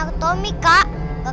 ano kau mendateng